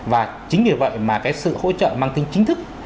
và chính vì vậy mà cái sự hỗ trợ mang tính chính thức